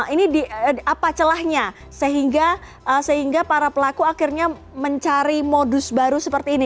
ini apa celahnya sehingga para pelaku akhirnya mencari modus baru seperti ini